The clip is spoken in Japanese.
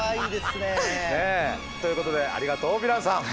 ねえ。ということでありがとうヴィランさん！